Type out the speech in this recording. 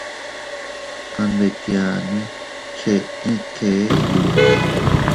Kanbetianne cheʼe kee yundo.